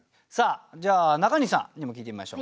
じゃあ中西さんにも聞いてみましょうかね。